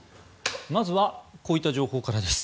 まずはこういった情報からです。